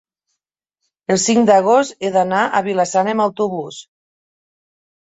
el cinc d'agost he d'anar a Vila-sana amb autobús.